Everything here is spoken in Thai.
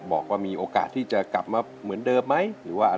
บอกว่ามีโอกาสที่จะกลับมาเหมือนเดิมไหมหรือว่า